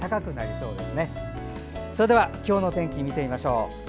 それでは今日の天気を見てみましょう。